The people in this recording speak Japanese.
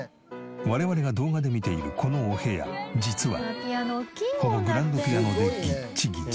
我々が動画で見ているこのお部屋実はこのグランドピアノでギッチギチ。